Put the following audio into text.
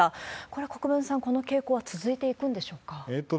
これ、国分さん、この傾向は続いていくんでしょうか？